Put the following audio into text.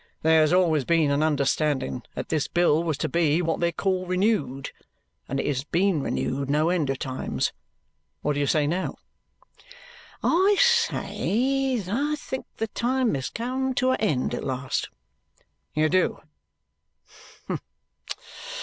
"There has always been an understanding that this bill was to be what they call renewed. And it has been renewed no end of times. What do you say now?" "I say that I think the times is come to a end at last." "You do?